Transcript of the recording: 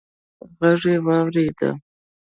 غږ يې واورېد: